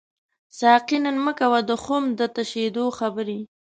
ساقي نن مه کوه د خُم د تشیدو خبري